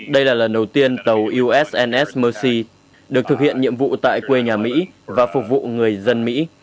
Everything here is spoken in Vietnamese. đây là lần đầu tiên tàu ussnsmc được thực hiện nhiệm vụ tại quê nhà mỹ và phục vụ người dân mỹ